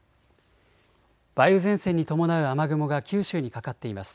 梅雨前線に伴う雨雲が九州にかかっています。